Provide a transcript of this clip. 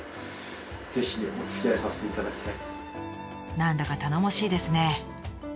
何だか頼もしいですね。